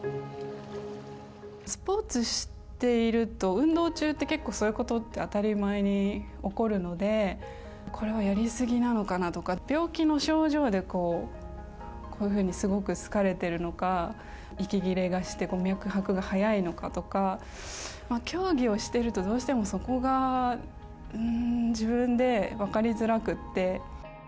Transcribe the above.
スポーツしていると、運動中って結構、そういうことって当たり前に起こるので、これはやり過ぎなのかなとか、病気の症状で、こういうふうにすごく疲れてるのか、息切れがして脈拍が速いのかとか、競技をしてると、どうしてもそこが自分で分かりづらくって。